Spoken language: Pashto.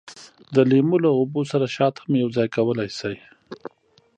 د لیمو له اوبو سره شات هم یوځای کولای شئ.